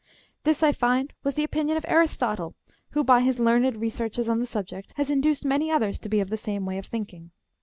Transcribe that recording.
This, I find, was the opinion of Aristotle, ^^ who, by his learned researches'*^ on the subject, has induced many others to be of the same way of thinking.